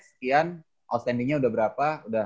sekian outstandingnya udah berapa udah